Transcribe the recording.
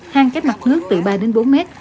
hang cách mặt nước từ ba bốn mét